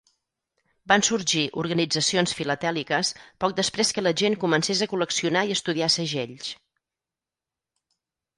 Van sorgir organitzacions filatèliques poc després que la gent comencés a col·leccionar i estudiar segells.